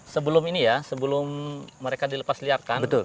sebelum ini ya sebelum mereka dilepasliarkan